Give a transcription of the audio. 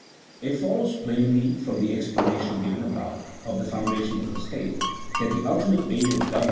. It follows, plainly, from the explanation given above, of the foundations of a state, that the ultimate aim of govern CHAP.